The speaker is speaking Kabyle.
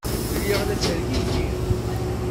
Lliɣ la ttergigiɣ.